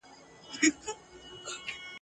که له موجونو ډارېدلای غېږ ته نه درتلمه ..